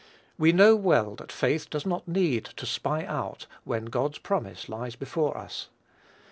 We know well that faith does not need "to spy out" when God's promise lies before us.